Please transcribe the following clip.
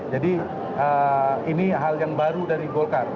jadi ini hal yang baru dari golkar